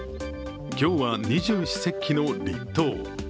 今日は二十四節気の立冬。